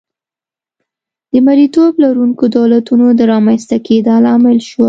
د مریتوب لرونکو دولتونو د رامنځته کېدا لامل شوه.